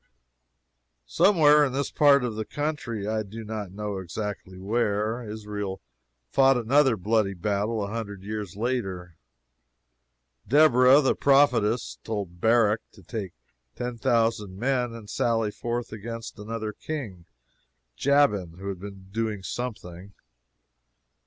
Somewhere in this part of the country I do not know exactly where Israel fought another bloody battle a hundred years later. Deborah, the prophetess, told Barak to take ten thousand men and sally forth against another King Jabin who had been doing something.